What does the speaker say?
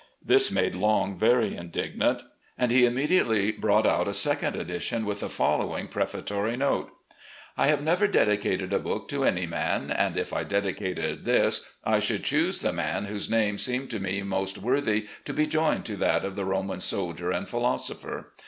This made Long very indignant, and he immediately brought out a second edition with the following prefatory note: "... I have never dedicated a book to any man, and if I dedicated this, I should choose the man whose name seemed to me most worthy to be joined to that of the Roman soldier and philosopher.